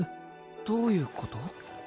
どういうこと？